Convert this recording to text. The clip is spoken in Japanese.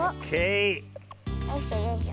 よいしょよいしょ。